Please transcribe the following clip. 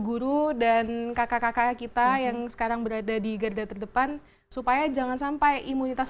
guru dan kakak kakak kita yang sekarang berada di garda terdepan supaya jangan sampai imunitas